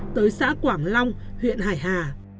tới xã quảng long huyện hải hà